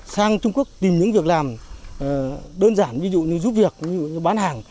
sang trung quốc tìm những việc làm đơn giản ví dụ như giúp việc bán hàng